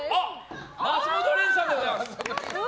松本りんすさんでございます。